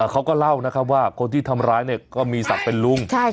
เขาก็เล่านะครับว่าคนที่ทำร้ายเนี่ยก็มีศักดิ์เป็นลุง